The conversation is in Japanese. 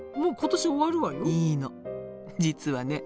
実はね